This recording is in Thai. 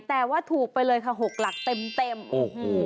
แต่ว่าถูกไปเลยค่ะหกหลักเต็มเต็มโอ้โห